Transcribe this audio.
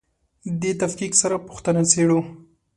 دې تفکیک سره پوښتنه څېړو.